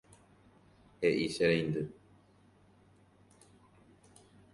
He'i che reindy